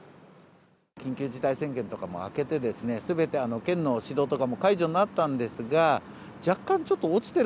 緊急事態宣言とかも明けてですね、すべて県の指導とかも解除になったんですが、若干ちょっと落ちてる。